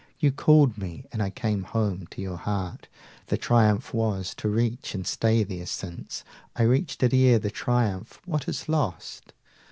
You called me, and I came home to your heart. The triumph was to reach and stay there; since I reached it ere the triumph, what is lost?